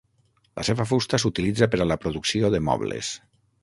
La seva fusta s'utilitza per a la producció de mobles.